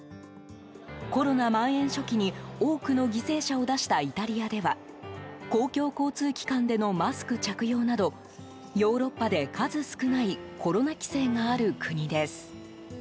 コロナまん延初期に多くの犠牲者を出したイタリアでは公共交通機関でのマスク着用などヨーロッパで数少ないコロナ規制がある国です。